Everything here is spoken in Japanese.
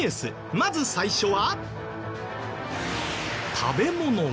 まず最初は。